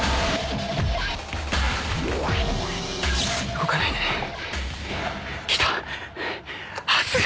動かないでね。きた！